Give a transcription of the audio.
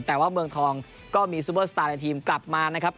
แต่ว่าเมืองทองก็มีซูเปอร์สตาร์ในทีมกลับมานะครับ